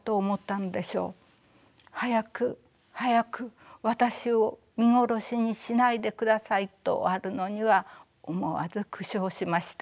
「早く、早く、私を見殺しにしないで下さい」とあるのには思わず苦笑しました。